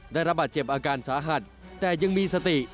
ได้รับบาดเจ็บอาการสาหัสแต่ยังมีสติ